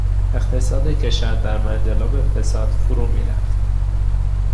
اقتصاد کشور در منجلاب فساد فرو میرفت.